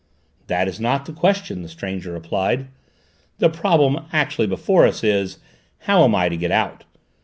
"That is not the question," the stranger replied. "The problem actually before us is, how am I to get out?